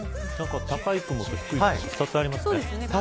高い雲と低い雲２つありますね。